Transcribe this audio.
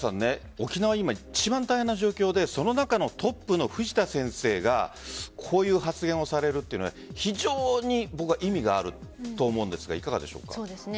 沖縄、今一番大変な状況でその中のトップの藤田先生がこういう発言をされるというのは非常に意味があると思うんですがいかがでしょうか？